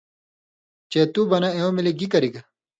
چےۡ تُو بنہ اېوں مِلیۡ گی کرِگ۔